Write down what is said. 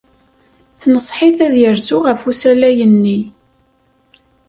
Tenṣeḥ-it ad yerzu ɣef usalay-nni.